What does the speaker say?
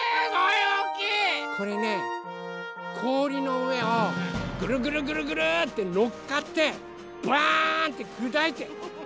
これねこおりのうえをぐるぐるぐるぐるってのっかってバーンってくだいてまえへすすんでいくんだって！